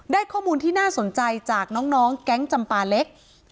ข้อมูลที่น่าสนใจจากน้องแก๊งจำปาเล็ก